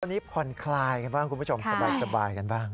ตอนนี้ผ่อนคลายกันบ้างคุณผู้ชมสบายกันบ้าง